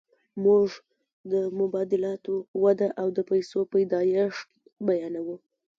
موږ د مبادلاتو وده او د پیسو پیدایښت بیانوو